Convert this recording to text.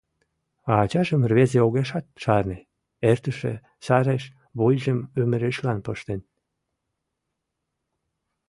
А ачажым рвезе огешат шарне — эртыше сареш вуйжым ӱмырешлан пыштен.